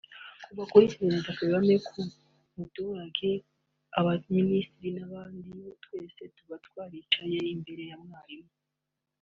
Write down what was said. kuva kuri Perezida kugera ku muturage abaminisitir n’abandi twese tuba twaraciye imbere ya mwalimu